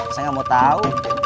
saya gak mau tau